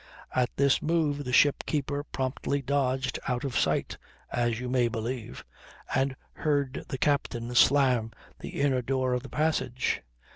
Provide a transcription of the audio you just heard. At this move the ship keeper promptly dodged out of sight, as you may believe, and heard the captain slam the inner door of the passage.